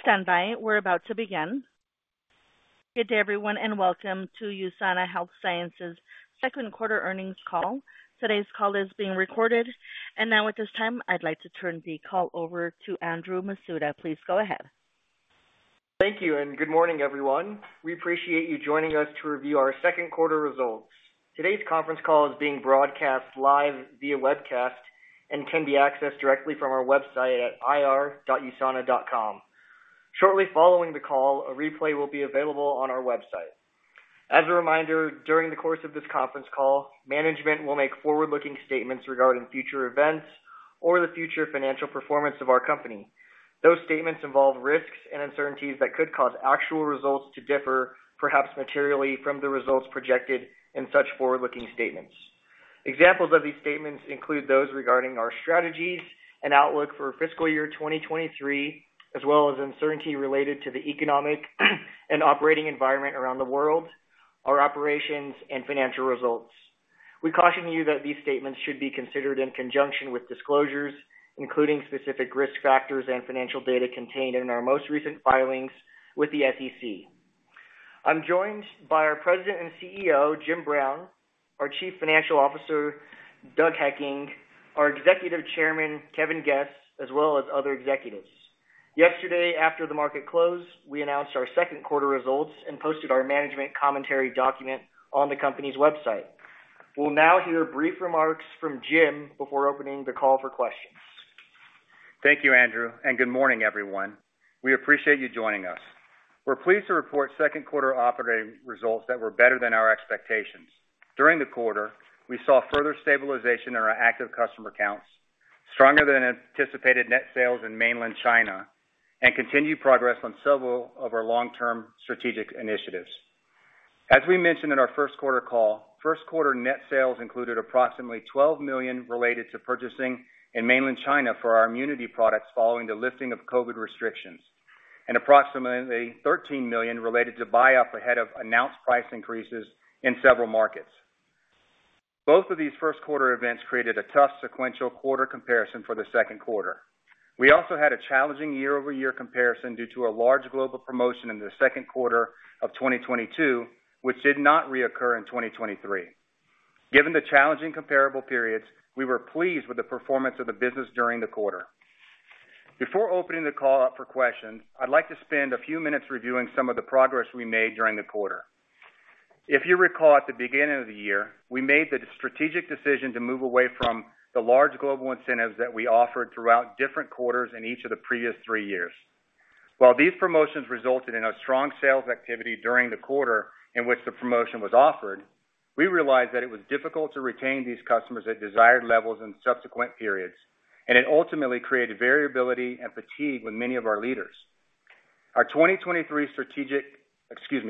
Please stand by. We're about to begin. Good day, everyone, and welcome to USANA Health Sciences second quarter earnings call. Today's call is being recorded. Now, at this time, I'd like to turn the call over to Andrew Masuda. Please go ahead. Thank you and good morning, everyone. We appreciate you joining us to review our second quarter results. Today's conference call is being broadcast live via webcast and can be accessed directly from our website at ir.usana.com. Shortly following the call, a replay will be available on our website. As a reminder, during the course of this conference call, management will make forward-looking statements regarding future events or the future financial performance of our company. Those statements involve risks and uncertainties that could cause actual results to differ, perhaps materially, from the results projected in such forward-looking statements. Examples of these statements include those regarding our strategies and outlook for fiscal year 2023, as well as uncertainty related to the economic and operating environment around the world, our operations, and financial results. We caution you that these statements should be considered in conjunction with disclosures, including specific risk factors and financial data contained in our most recent filings with the SEC. I'm joined by our President and CEO, Jim Brown, our Chief Financial Officer, Doug Hekking, our Executive Chairman, Kevin Guest, as well as other executives. Yesterday, after the market closed, we announced our second quarter results and posted our management commentary document on the company's website. We'll now hear brief remarks from Jim before opening the call for questions. Thank you, Andrew and good morning, everyone. We appreciate you joining us. We're pleased to report second quarter operating results that were better than our expectations. During the quarter, we saw further stabilization in our active customer counts, stronger than anticipated net sales in Mainland China, and continued progress on several of our long-term strategic initiatives. As we mentioned in our first quarter call, first quarter net sales included approximately $12 million related to purchasing in Mainland China for our immunity products following the lifting of COVID restrictions, and approximately $13 million related to buy-up ahead of announced price increases in several markets. Both of these first quarter events created a tough sequential quarter comparison for the second quarter. We also had a challenging year-over-year comparison due to a large global promotion in the second quarter of 2022, which did not reoccur in 2023. Given the challenging comparable periods, we were pleased with the performance of the business during the quarter. Before opening the call up for questions, I'd like to spend a few minutes reviewing some of the progress we made during the quarter. If you recall, at the beginning of the year, we made the strategic decision to move away from the large global incentives that we offered throughout different quarters in each of the previous three years. While these promotions resulted in strong sales activity during the quarter in which the promotion was offered, we realized that it was difficult to retain these customers at desired levels in subsequent periods and it ultimately created variability and fatigue with many of our leaders. Our 2023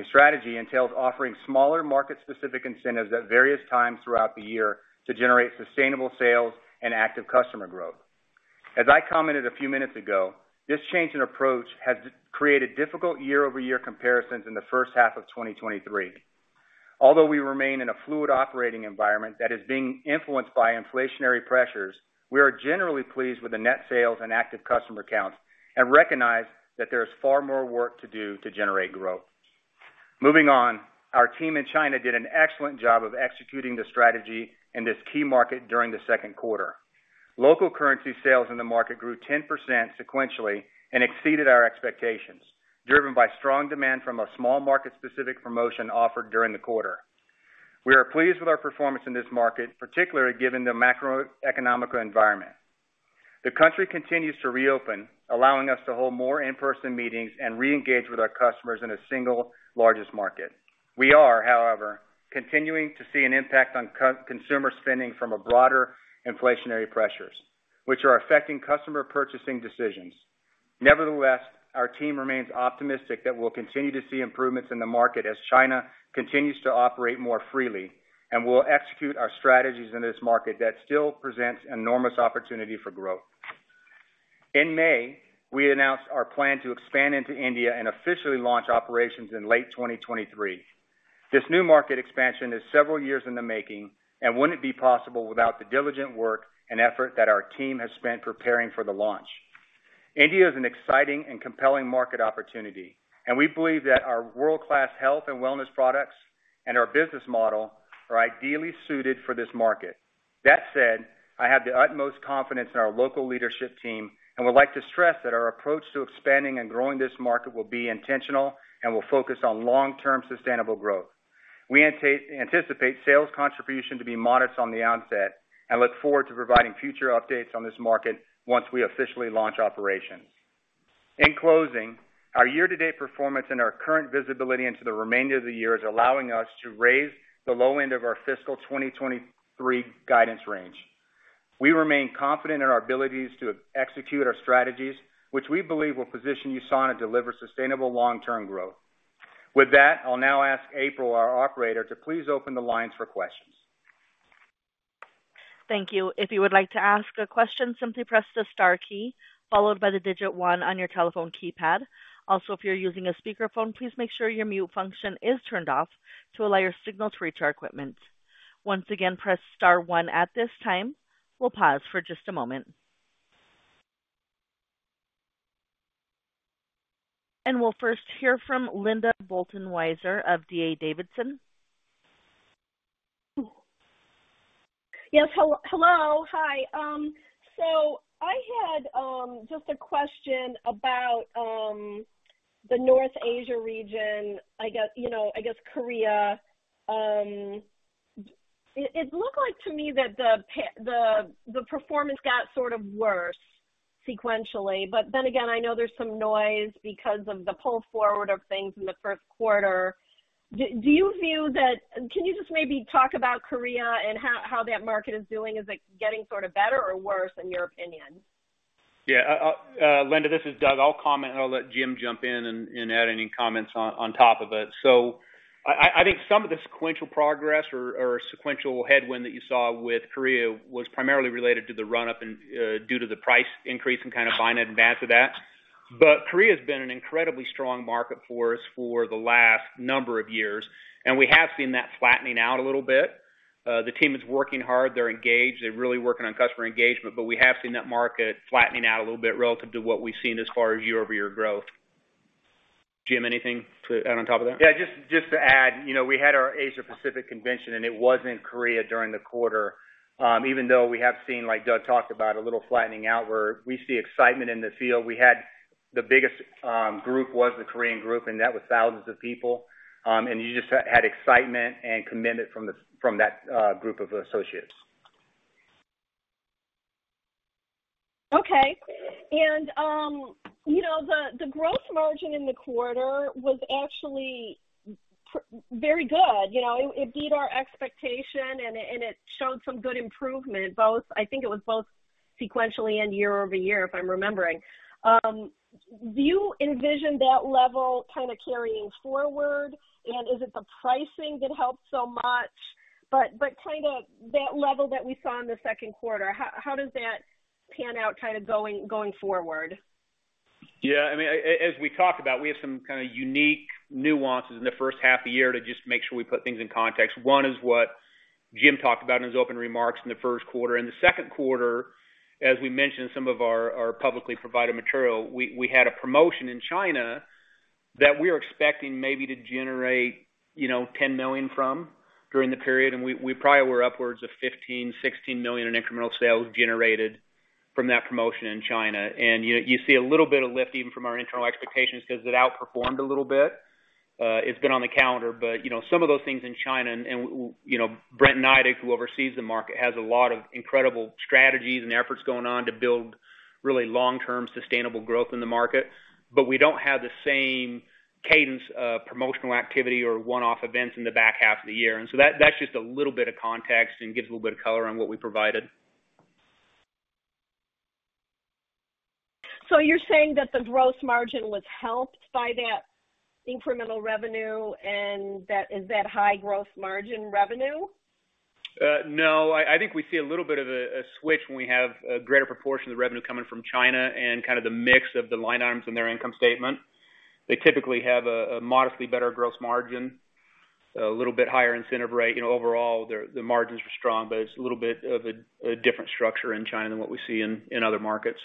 strategy entails offering smaller market-specific incentives at various times throughout the year to generate sustainable sales and active customer growth. As I commented a few minutes ago, this change in approach has created difficult year-over-year comparisons in the first half of 2023. Although we remain in a fluid operating environment that is being influenced by inflationary pressures, we are generally pleased with the net sales and active customer counts and recognize that there is far more work to do to generate growth. Moving on, our team in China did an excellent job of executing the strategy in this key market during the second quarter. Local currency sales in the market grew 10% sequentially and exceeded our expectations, driven by strong demand from a small market-specific promotion offered during the quarter. We are pleased with our performance in this market, particularly given the macroeconomic environment. The country continues to reopen, allowing us to hold more in-person meetings and reengage with our customers in a single largest market. We are, however, continuing to see an impact on consumer spending from a broader inflationary pressures, which are affecting customer purchasing decisions. Nevertheless, our team remains optimistic that we'll continue to see improvements in the market as China continues to operate more freely, and we'll execute our strategies in this market that still presents enormous opportunity for growth. In May, we announced our plan to expand into India and officially launch operations in late 2023. This new market expansion is several years in the making and wouldn't be possible without the diligent work and effort that our team has spent preparing for the launch. India is an exciting and compelling market opportunity, and we believe that our world-class health and wellness products and our business model are ideally suited for this market. That said, I have the utmost confidence in our local leadership team and would like to stress that our approach to expanding and growing this market will be intentional and will focus on long-term sustainable growth. We anticipate sales contribution to be modest on the onset and look forward to providing future updates on this market once we officially launch operations. In closing, our year-to-date performance and our current visibility into the remainder of the year is allowing us to raise the low end of our fiscal 2023 guidance range. We remain confident in our abilities to execute our strategies, which we believe will position USANA to deliver sustainable long-term growth. With that, I'll now ask April, our operator, to please open the lines for questions. Thank you. If you would like to ask a question, simply press the star key followed by the digit one on your telephone keypad. Also, if you're using a speakerphone, please make sure your mute function is turned off to allow your signal to reach our equipment. Once again, press star one at this time. We'll pause for just a moment. We'll first hear from Linda Bolton Weiser of D.A. Davidson. Yes, hello. Hi. So, I had just a question about the North Asia region, I guess, you know, I guess Korea. It looked like to me that the performance got sort of worse sequentially but again, I know there's some noise because of the pull forward of things in the first quarter. Do you view that? Can you just maybe talk about Korea and how that market is doing? Is it getting sort of better or worse, in your opinion? Yeah, Linda, this is Doug. I'll comment, and I'll let Jim jump in and add any comments on top of it. So, I think some of the sequential progress or sequential headwind that you saw with Korea was primarily related to the run-up and due to the price increase and kind of buy it in advance of that but Korea has been an incredibly strong market for us for the last number of years, and we have seen that flattening out a little bit. The team is working hard. They're engaged. They're really working on customer engagement, but we have seen that market flattening out a little bit relative to what we've seen as far as year-over-year growth. Jim, anything to add on top of that? Yeah, just to add, you know, we had our Asia Pacific convention, and it was in Korea during the quarter. Even though we have seen, like Doug talked about, a little flattening out where we see excitement in the field, we had the biggest group was the Korean group, and that was thousands of people. You just had excitement and commitment from that group of associates. Okay. You know, the gross margin in the quarter was actually very good. You know, it beat our expectation and it showed some good improvement. I think it was both sequentially and year-over-year, if I'm remembering. Do you envision that level kind of carrying forward and is it the pricing that helped so much? Kind of that level that we saw in the second quarter, how does that pan out kind of going forward? Yeah, I mean, as we talked about, we have some kind of unique nuances in the first half of the year to just make sure we put things in context. One is what Jim talked about in his opening remarks in the first quarter. In the second quarter, as we mentioned, some of our publicly provided material, we had a promotion in China that we were expecting maybe to generate, you know, $10 million from during the period, and we probably were upwards of $15 million-$16 million in incremental sales generated from that promotion in China. You see a little bit of lift even from our internal expectations because it outperformed a little bit. It's been on the calendar but you know, some of those things in China and, you know, Brent Neidig, who oversees the market, has a lot of incredible strategies and efforts going on to build really long-term sustainable growth in the market but we don't have the same cadence of promotional activity or one-off events in the back half of the year. That's just a little bit of context and gives a little bit of color on what we provided. So, you're saying that the growth margin was helped by that incremental revenue and that is that high growth margin revenue? No. I think we see a little bit of a switch when we have a greater proportion of the revenue coming from China and kind of the mix of the line items in their income statement. They typically have a modestly better gross margin, a little bit higher incentive rate. You know, overall, the margins are strong, but it's a little bit of a different structure in China than what we see in other markets.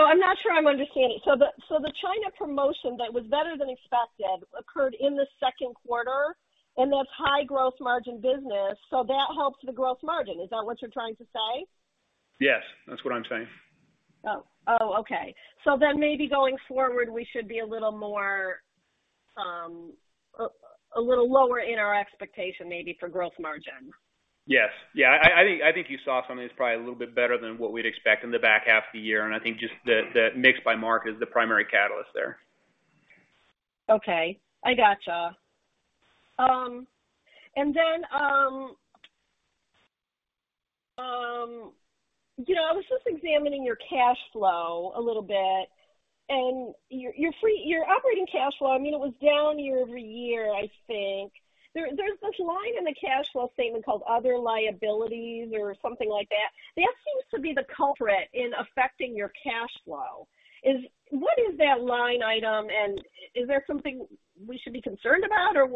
I'm not sure I'm understanding. So, the China promotion that was better than expected occurred in the second quarter, and that's high gross margin business, so that helps the gross margin. Is that what you're trying to say? Yes, that's what I'm saying. Ok. So that may be going forward, we should be a little lower, a little lower in our expectation, maybe for gross margin. Yes. Yeah, I think you saw something that's probably a little bit better than what we'd expect in the back half of the year and I think just the mix by market is the primary catalyst there. Okay, I gotcha and then you know, I was just examining your cash flow a little bit, and your operating cash flow, I mean, it was down year-over-year, I think. There, there's this line in the cash flow statement called other liabilities or something like that. That seems to be the culprit in affecting your cash flow. What is that line item, and is there something we should be concerned about, or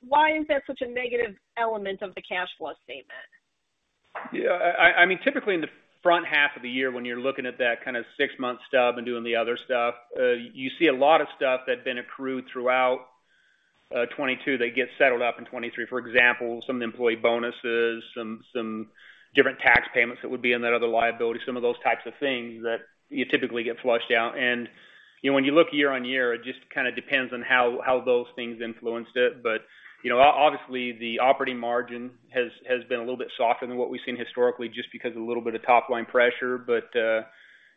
why is that such a negative element of the cash flow statement? Yeah, I mean, typically in the front half of the year, when you're looking at that kind of six month stuff and doing the other stuff, you see a lot of stuff that's been accrued throughout 2022, that gets settled up in 2023. For example, some employee bonuses, some different tax payments that would be in that other liability, some of those types of things that you typically get flushed out and you know, when you look year-on-year, it just kind of depends on how those things influenced it but you know, obviously, the operating margin has been a little bit softer than what we've seen historically, just because of a little bit of top-line pressure. But,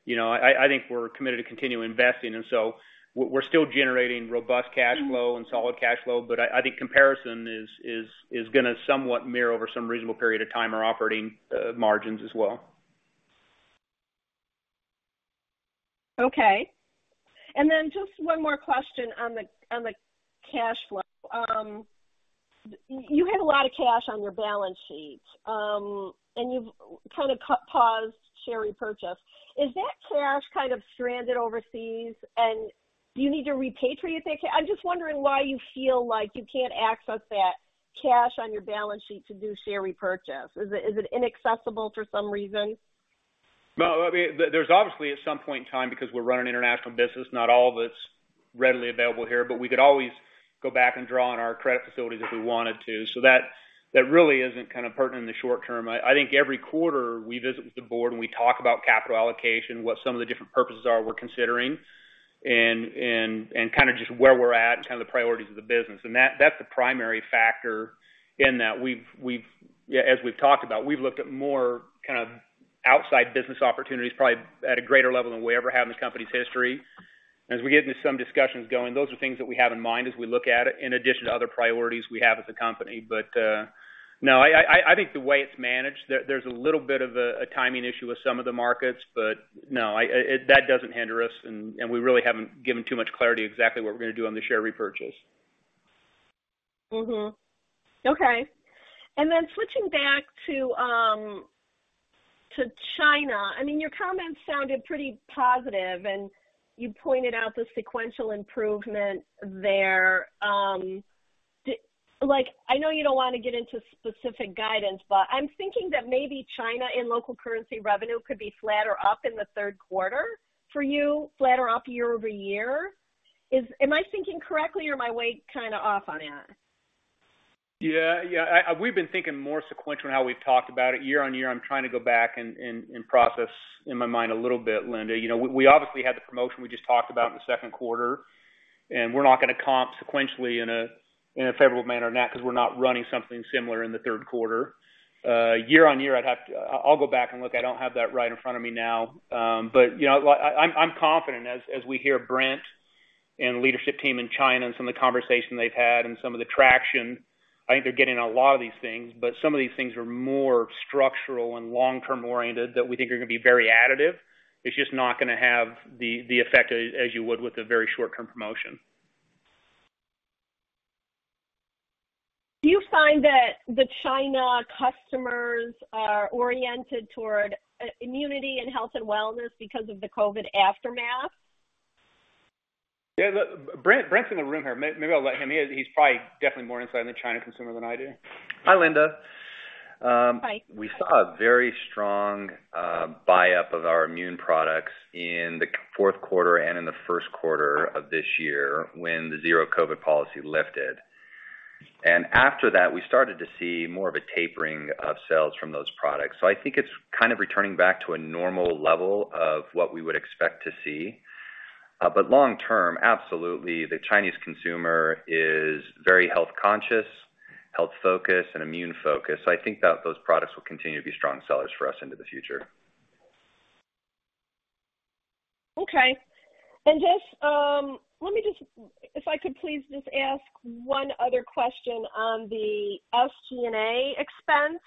you know, I think we're committed to continue investing, and so we're still generating robust cash flow and solid cash flow, but I think comparison is going to somewhat mirror over some reasonable period of time, our operating margins as well. Ok and then just one more question on the cash flow. You had a lot of cash on your balance sheet, and you've kind of paused share repurchase. Is that cash kind of stranded overseas and do you need to repatriate that? I'm just wondering why you feel like you can't access that cash on your balance sheet to do share repurchase. Is it inaccessible for some reason? No, I mean, there's obviously, at some point in time, because we're running an international business, not all of it's readily available here, but we could always go back and draw on our credit facilities if we wanted to. So that, that really isn't kind of pertinent in the short term. I think every quarter we visit with the board, and we talk about capital allocation, what some of the different purposes are we're considering, and kind of just where we're at and kind of the priorities of the business. That, that's the primary factor in that. We've, Yeah, as we've talked about, we've looked at more kind of outside business opportunities, probably at a greater level than we ever have in the company's history. As we get into some discussions going, those are things that we have in mind as we look at it, in addition to other priorities we have as a company but no, I think the way it's managed, there's a little bit of a timing issue with some of the markets but no, that doesn't hinder us, and we really haven't given too much clarity exactly what we're going to do on the share repurchase. Okay, and then switching back to China. I mean, your comments sounded pretty positive, and you pointed out the sequential improvement there. Like, I know you don't want to get into specific guidance, but I'm thinking that maybe China in local currency revenue could be flat or up in the third quarter for you, flat or up year-over-year. Am I thinking correctly or am I way kind of off on that? Yeah. Yeah, I, we've been thinking more sequential in how we've talked about it. Year-on-year, I'm trying to go back and process in my mind a little bit, Linda. You know, we obviously had the promotion we just talked about in the second quarter. We're not going to comp sequentially in a, in a favorable manner on that because we're not running something similar in the third quarter. Year-on-year, I'll go back and look. I don't have that right in front of me now. You know, I'm confident as we hear Brent and leadership team in China and some of the conversation they've had and some of the traction, I think they're getting a lot of these things, but some of these things are more structural and long-term oriented that we think are going to be very additive. It's just not going to have the effect as you would with a very short-term promotion. Do you find that the China customers are oriented toward immunity and health and wellness because of the COVID aftermath? Yeah, look, Brent's in the room here. Maybe I'll let him. He's probably definitely more insight on the China consumer than I do. Hi, Linda. Hi. We saw a very strong buy-up of our immune products in the fourth quarter and in the first quarter of this year when the zero-COVID policy lifted and after that, we started to see more of a tapering of sales from those products. So, I think it's kind of returning back to a normal level of what we would expect to see. Long term, absolutely, the Chinese consumer is very health conscious, health focused, and immune focused. I think that those products will continue to be strong sellers for us into the future. Okay. Just, let me just, if I could please just ask one other question on the SG&A expense.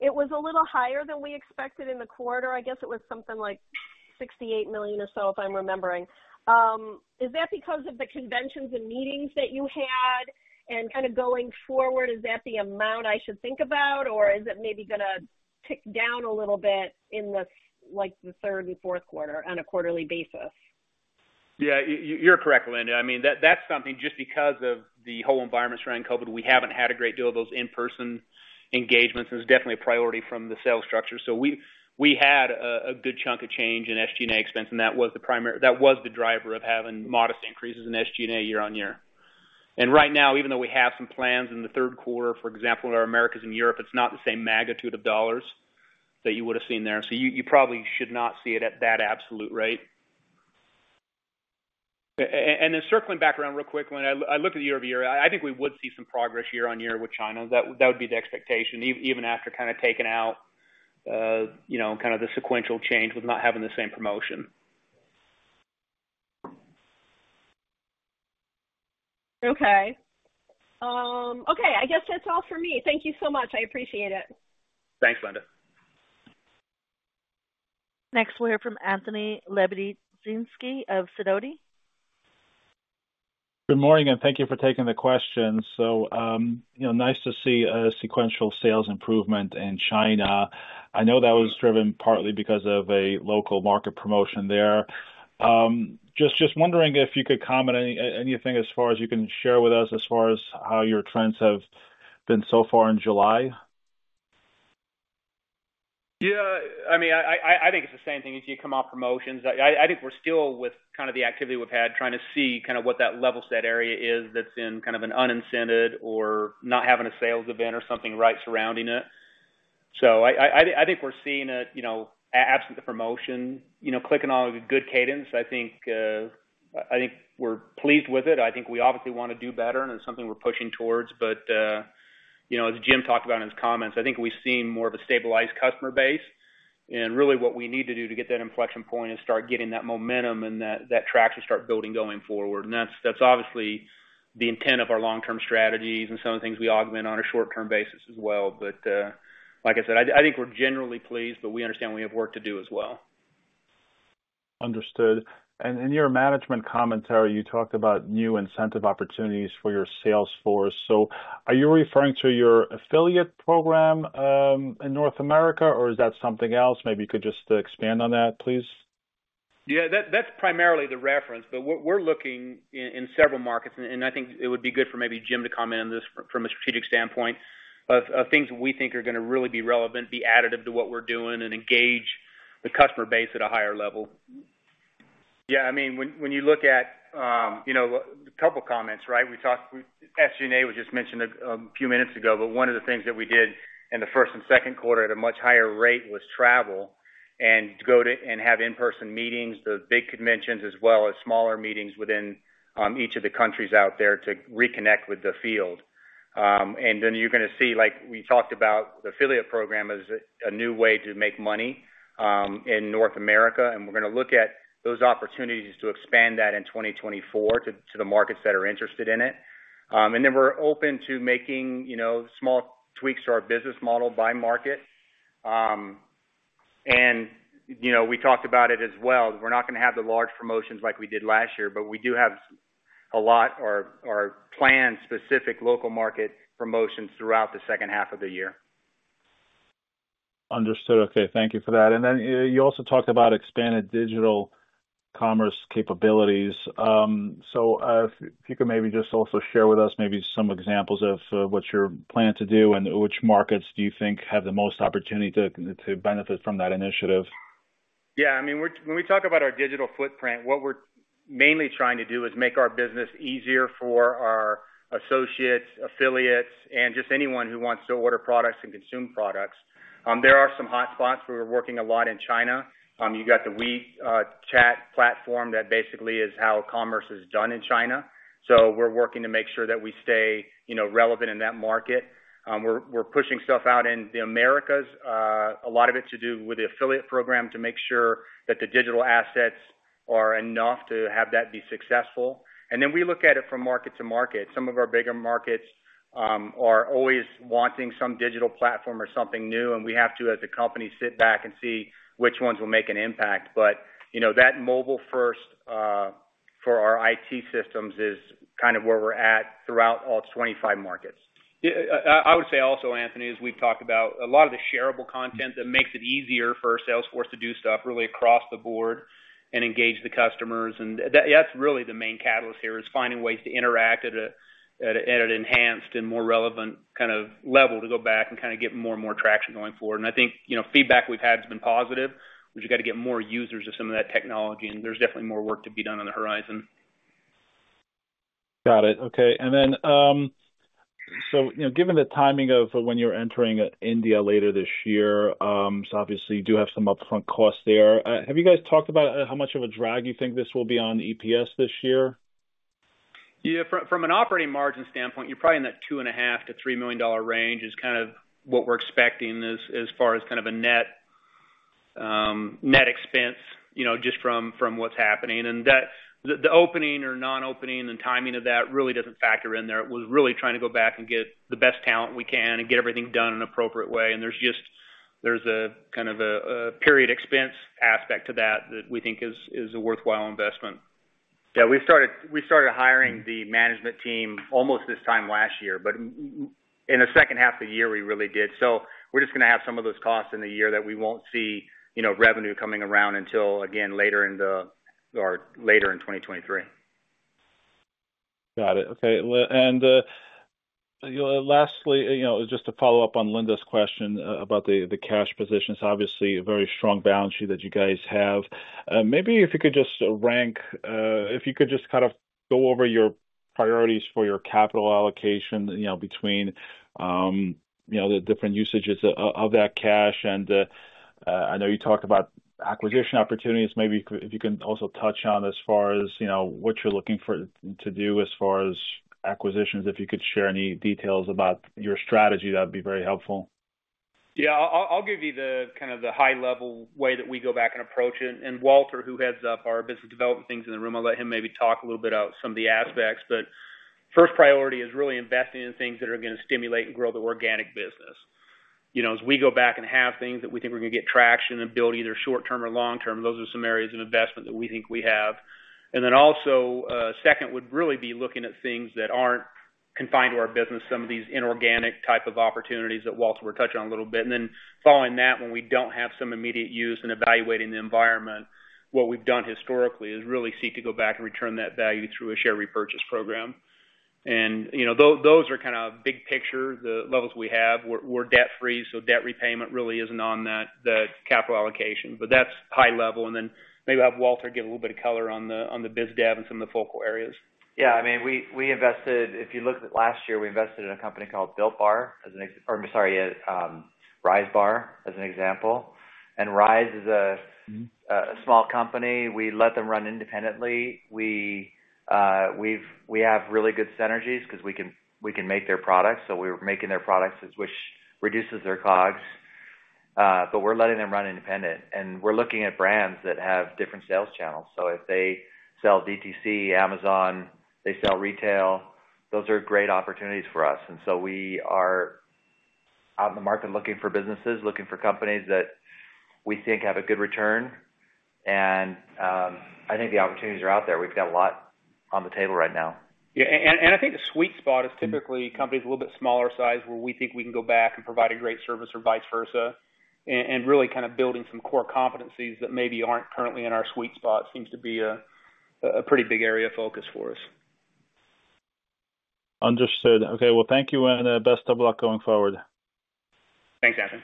It was a little higher than we expected in the quarter. I guess it was something like $68 million or so, if I'm remembering. Is that because of the conventions and meetings that you had and kind of going forward, is that the amount I should think about, or is it maybe going to tick down a little bit in the, like, the third and fourth quarter on a quarterly basis? Yeah, you're correct, Linda. I mean, that's something just because of the whole environment surrounding COVID, we haven't had a great deal of those in-person engagements, and it's definitely a priority from the sales structure. So, we had a good chunk of change in SG&A expense, and that was the driver of having modest increases in SG&A year-on-year and right now, even though we have some plans in the third quarter, for example, in our Americas and Europe, it's not the same magnitude of dollars that you would have seen there. You probably should not see it at that absolute rate. Then circling back around real quick, when I look at the year-over-year, I think we would see some progress year-on-year with China. That would be the expectation, even after kind of taking out, you know, kind of the sequential change with not having the same promotion. Okay. Okay, I guess that's all for me. Thank you so much. I appreciate it. Thanks, Linda. Next, we'll hear from Anthony Lebiedzinski of Sidoti. Good morning, thank you for taking the questions. So, You know, nice to see a sequential sales improvement in China. I know that was driven partly because of a local market promotion there. Just wondering if you could comment anything as far as you can share with us as far as how your trends have been so far in July? Yeah, I mean, I think it's the same thing as you come off promotions. I think we're still with kind of the activity we've had, trying to see kind of what that level set area is that's in kind of an un-incended or not having a sales event or something right surrounding it. So, I think we're seeing it, you know, absent the promotion, you know, clicking on a good cadence. I think, I think we're pleased with it. I think we obviously want to do better, and it's something we're pushing towards, but, you know, as Jim talked about in his comments, I think we've seen more of a stabilized customer base. Really, what we need to do to get that inflection point is start getting that momentum and that traction start building going forward. That's obviously the intent of our long-term strategies and some of the things we augment on a short-term basis as well. Like I said, I think we're generally pleased, but we understand we have work to do as well. Understood. In your management commentary, you talked about new incentive opportunities for your sales force. So, are you referring to your affiliate program in North America, or is that something else? Maybe you could just expand on that, please. Yeah, that's primarily the reference, but what we're looking in several markets, and I think it would be good for maybe Jim to comment on this from a strategic standpoint, of things we think are gonna really be relevant, be additive to what we're doing, and engage the customer base at a higher level. I mean, when you look at, you know, a couple of comments, right? SG&A was just mentioned a few minutes ago, but one of the things that we did in the first and second quarter at a much higher rate was travel, and to have in-person meetings, the big conventions, as well as smaller meetings within each of the countries out there to reconnect with the field. Then you're gonna see, like we talked about, the affiliate program as a new way to make money in North America, and we're gonna look at those opportunities to expand that in 2024 to the markets that are interested in it. Then we're open to making, you know, small tweaks to our business model by market. You know, we talked about it as well. We're not gonna have the large promotions like we did last year, but we do have a lot or planned specific local market promotions throughout the second half of the year. Understood. Okay, thank you for that. You also talked about expanded digital commerce capabilities. If you could maybe just also share with us maybe some examples of, what you're planning to do, and which markets do you think have the most opportunity to benefit from that initiative? I mean, when we talk about our digital footprint, what we're mainly trying to do is make our business easier for our associates, affiliates, and just anyone who wants to order products and consume products. There are some hotspots. We're working a lot in China. You got the WeChat platform, that basically is how commerce is done in China. We're working to make sure that we stay, you know, relevant in that market. We're pushing stuff out in the Americas, a lot of it to do with the affiliate program, to make sure that the digital assets are enough to have that be successful and we look at it from market-to-market. Some of our bigger markets, are always wanting some digital platform or something new, and we have to, as a company, sit back and see which ones will make an impact but you know, that mobile first, for our IT systems is kind of where we're at throughout all 25 markets. I would say also, Anthony, as we've talked about, a lot of the shareable content that makes it easier for our sales force to do stuff really across the board and engage the customers. That's really the main catalyst here, is finding ways to interact at an enhanced and more relevant kind of level, to go back and kind of get more and more traction going forward. I think, you know, feedback we've had has been positive. We've just got to get more users of some of that technology, and there's definitely more work to be done on the horizon. Got it. Okay. You know, given the timing of when you're entering India later this year, obviously you do have some upfront costs there. Have you guys talked about how much of a drag you think this will be on EPS this year? Yeah, from an operating margin standpoint, you're probably in that $2.5 million-$3 million range, is kind of what we're expecting as far as kind of a net expense, you know, just from what's happening. The opening or non-opening and timing of that really doesn't factor in there. We're really trying to go back and get the best talent we can and get everything done in an appropriate way, and there's just a kind of a period expense aspect to that we think is a worthwhile investment. We started hiring the management team almost this time last year but in the second half of the year, we really did. So, we're just gonna have some of those costs in the year that we won't see, you know, revenue coming around until, again, later in 2023. Got it. Okay. Well, lastly, you know, just to follow up on Linda's question about the cash position. It's obviously a very strong balance sheet that you guys have. Maybe if you could just rank, if you could just kind of go over your priorities for your capital allocation, you know, between, you know, the different usages of that cash. I know you talked about acquisition opportunities. Maybe if you can also touch on, as far as, you know, what you're looking to do, as far as acquisitions. If you could share any details about your strategy, that'd be very helpful. Yeah, I'll give you the kind of the high-level way that we go back and approach it. Walter, who heads up our business development things in the room, I'll let him maybe talk a little bit about some of the aspects but first priority is really investing in things that are gonna stimulate and grow the organic business. You know, as we go back and have things that we think we're gonna get traction and build, either short term or long term, those are some areas of investment that we think we have. Then also, second, would really be looking at things that aren't confined to our business, some of these inorganic type of opportunities that Walter will touch on a little bit. Following that, when we don't have some immediate use in evaluating the environment, what we've done historically is really seek to go back and return that value through a share repurchase program. You know, those are kind of big picture, the levels we have. We're debt-free, so debt repayment really isn't on that, the capital allocation, but that's high level. Then maybe have Walter give a little bit of color on the, on the biz dev and some of the focal areas. Yeah, I mean, we invested. If you look at last year, we invested in a company called Built Bar, as an example. Or I'm sorry, Rise Bar, as an example. Rise is a- Mm-hmm... a small company. We let them run independently. We have really good synergies because we can, we can make their products, so we're making their products, which reduces their COGS. We're letting them run independent, and we're looking at brands that have different sales channels. If they sell DTC, Amazon, they sell retail, those are great opportunities for us. We are out in the market looking for businesses, looking for companies that we think have a good return. I think the opportunities are out there. We've got a lot on the table right now. Yeah, I think the sweet spot is typically companies a little bit smaller size, where we think we can go back and provide a great service or vice versa, and really kind of building some core competencies that maybe aren't currently in our sweet spot, seems to be a pretty big area of focus for us. Understood. Okay, well, thank you, and best of luck going forward. Thanks, Anthony.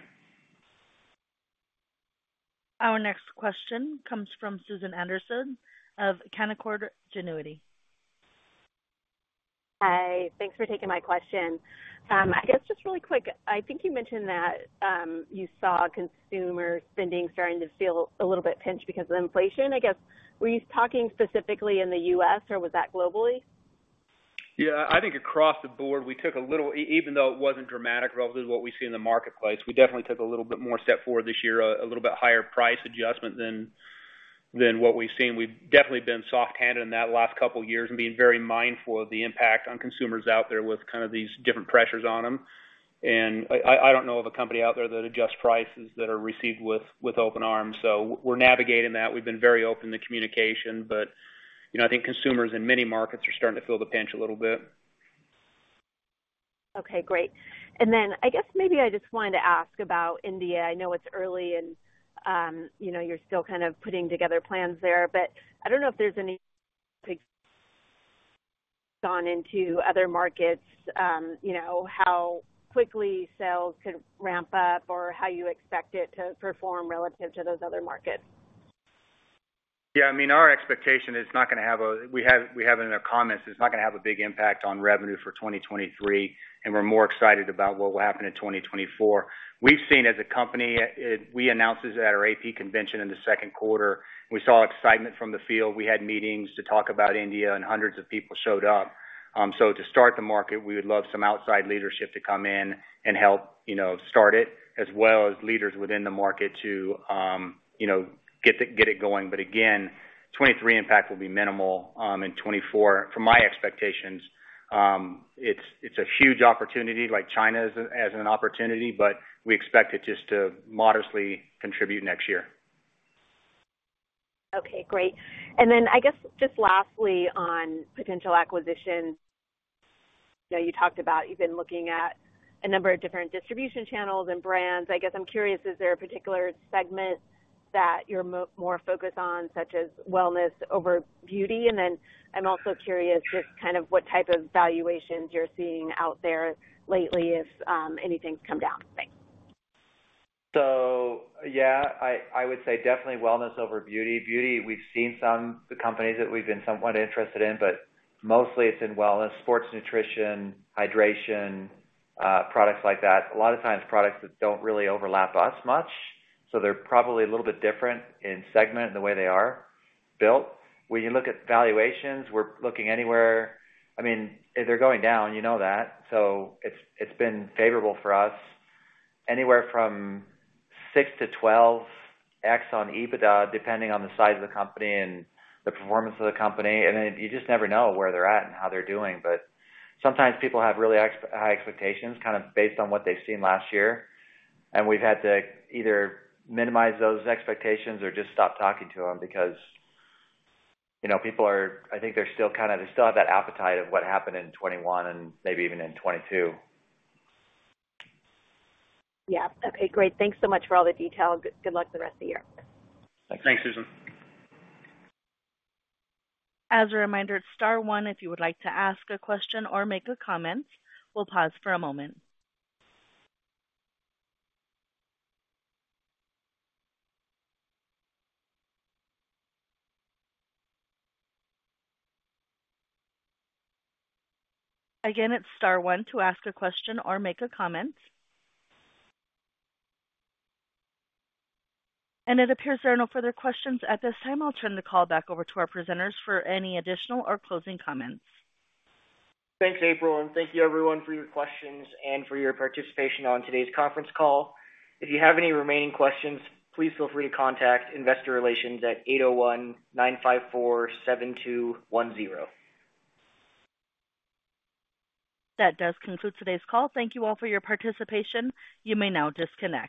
Our next question comes from Susan Anderson of Canaccord Genuity. Hi, thanks for taking my question. I guess just really quick, I think you mentioned that you saw consumer spending starting to feel a little bit pinched because of inflation. I guess, were you talking specifically in the U.S. or was that globally? Yeah, I think across the board, we took even though it wasn't dramatic relative to what we see in the marketplace, we definitely took a little bit more step forward this year, a little bit higher price adjustment than what we've seen. We've definitely been soft-handed in that last couple of years and being very mindful of the impact on consumers out there with kind of these different pressures on them. I don't know of a company out there that adjusts prices that are received with open arms, so we're navigating that. We've been very open to communication but you know, I think consumers in many markets are starting to feel the pinch a little bit. Okay, great. I guess maybe I just wanted to ask about India. I know it's early and, you know, you're still kind of putting together plans there, but I don't know if there's any [audio distortion gone into other markets, you know, how quickly sales could ramp up or how you expect it to perform relative to those other markets? I mean, our expectation is not going to have a big impact on revenue for 2023, and we're more excited about what will happen in 2024. We've seen as a company, we announced this at our AP convention in the second quarter. We saw excitement from the field. We had meetings to talk about India, and hundreds of people showed up. To start the market, we would love some outside leadership to come in and help, you know, start it, as well as leaders within the market to, you know, get it going but again, 2023 impact will be minimal, and 2024, from my expectations, it's a huge opportunity, like China as an opportunity, but we expect it just to modestly contribute next year. Okay, great. Then I guess, just lastly, on potential acquisitions. You know, you talked about you've been looking at a number of different distribution channels and brands. I guess I'm curious, is there a particular segment that you're more focused on, such as wellness over beauty and then I'm also curious, just kind of what type of valuations you're seeing out there lately, if anything's come down? Thanks. Yeah, I would say definitely wellness over beauty. Beauty, we've seen some, the companies that we've been somewhat interested in, but mostly it's in wellness, sports nutrition, hydration, products like that. A lot of times products that don't really overlap us much, so they're probably a little bit different in segment and the way they are built. When you look at valuations, we're looking anywhere... I mean, they're going down, you know that, so it's been favorable for us. Anywhere from 6x-12x on EBITDA, depending on the size of the company and the performance of the company, you just never know where they're at and how they're doing. But, sometimes people have really high expectations, kind of based on what they've seen last year, and we've had to either minimize those expectations or just stop talking to them because, you know, I think they're still kind of, they still have that appetite of what happened in 2021 and maybe even in 2022. Yeah. Okay, great. Thanks so much for all the detail. Good luck the rest of the year. Thanks, Susan. As a reminder, star one, if you would like to ask a question or make a comment. We'll pause for a moment. Again, it's star one to ask a question or make a comment. It appears there are no further questions at this time. I'll turn the call back over to our presenters for any additional or closing comments. Thanks, April, and thank you, everyone, for your questions and for your participation on today's conference call. If you have any remaining questions, please feel free to contact Investor Relations at 801-954-7210. That does conclude today's call. Thank you all for your participation. You may now disconnect.